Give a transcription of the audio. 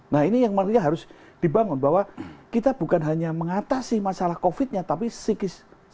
nah ini yang menurutnya harus dibangun bahwa kita bukan hanya mengatasi masalah covid nya tapi psikis